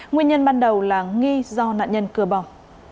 nguyên nhân ban đầu là nghi do nạn nhân cưa bom